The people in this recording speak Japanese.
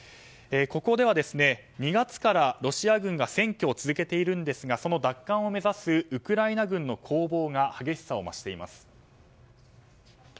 ここでは２月からロシア軍が占拠を続けていますがその奪還を目指すウクライナ軍の攻防が激しさを増しています。